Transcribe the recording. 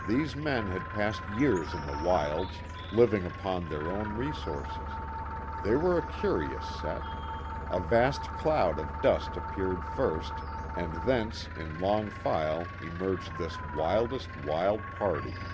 These men had passed years in the wilds, living upon their own resources; they were a curious set. A vast cloud of dust appeared first and thence in long file emerged this wildest wild party.